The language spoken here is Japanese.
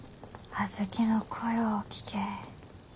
小豆の声を聴けえ。